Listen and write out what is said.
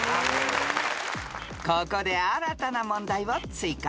［ここで新たな問題を追加］